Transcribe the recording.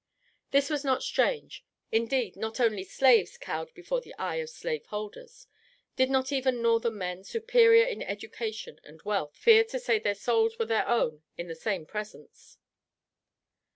This was not strange. Indeed not only slaves cowed before the eye of slave holders. Did not even Northern men, superior in education and wealth, fear to say their souls were their own in the same presence?